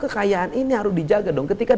kekayaan ini harus dijaga dong ketika